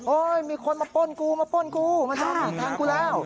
โอ๊ยมีคนมาป้นกูมาป้นกูมันจะฝันทางกูแล้ว